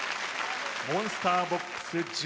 モンスターボックス